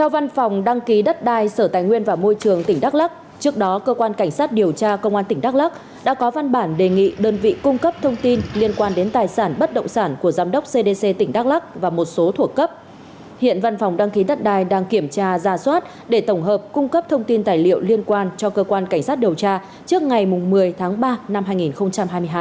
văn phòng đăng ký đất đai sở tài nguyên và môi trường tỉnh đắk lắc đã có văn bản cung cấp thông tin cho các cơ quan báo chí liên quan đến việc ngăn chặn giao dịch tài sản của ông trịnh quang trí giám đốc trung tâm kiểm soát bệnh tật cdc tỉnh đắk lắc và một số cá nhân của trung tâm kiểm soát bệnh tật cdc tỉnh đắk lắc